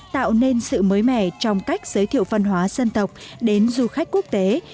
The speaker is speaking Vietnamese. tạo nên sự mới mẻ trong cách giới thiệu văn hóa dân tộc đến du khách quốc tế